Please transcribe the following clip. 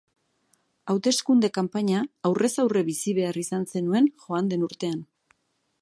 Hauteskunde kanpaina aurrez aurre bizi behar izan zenuen joan den urtean.